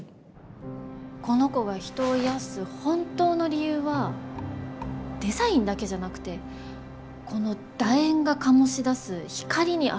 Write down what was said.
この子が人を癒やす本当の理由はデザインだけじゃなくてこの楕円が醸し出す光にあると思うんですよね。